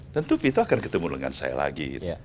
tentu vito akan ketemu dengan saya lagi